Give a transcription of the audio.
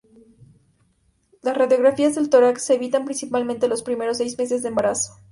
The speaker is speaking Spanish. Las radiografías del tórax se evitan principalmente los primeros seis meses de embarazo.